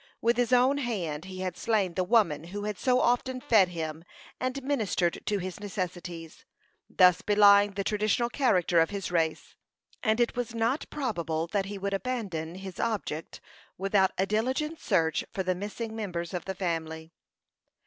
With his own hand he had slain the woman who had so often fed him, and ministered to his necessities, thus belying the traditional character of his race; and it was not probable that he would abandon his object without a diligent search for the missing members of the family.